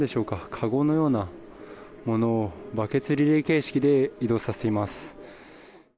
かごのようなものをバケツリレー形式で移動させています。